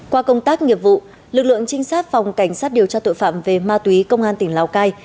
qua công tác nghiệp vụ lực lượng trinh sát phòng cảnh sát điều tra tội phạm về ma túy công an tỉnh lào cai